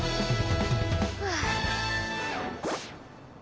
はあ。